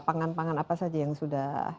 pangan pangan apa saja yang sudah